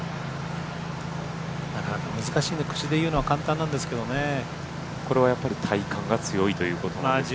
なかなか難しいんでね、口で言うのは簡単なんですけどね。これは体幹が強いということですか？